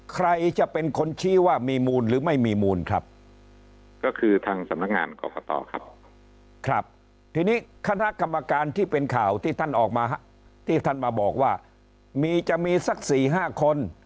ใครจะเป็นคนชี้ว่ามีมูลหรือไม่มีมูลครับก็คือทางสำนักงานกรกตครับครับทีนี้คณะกรรมการที่เป็นข่าวที่ท่านออกมาที่ท่านมาบอกว่ามีจะมีสัก๔๕คน